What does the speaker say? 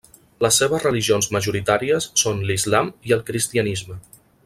Les seves religions majoritàries són l'islam i el cristianisme.